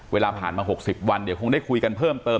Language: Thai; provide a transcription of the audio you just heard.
เวลาผ่านมา๖๐วันเดี๋ยวคงได้คุยกันเพิ่มเติม